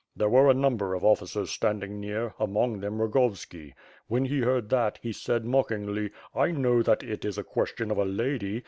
There were a number of officers standing near, among them Rogovski. When he heard that, he said mockingly 'i know that it is a question of a lady.